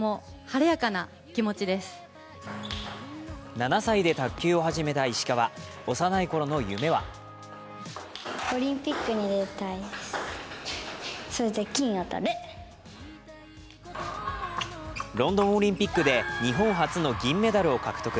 ７歳で卓球を始めた石川、幼いころの夢はロンドンオリンピックで日本初の銀メダルを獲得。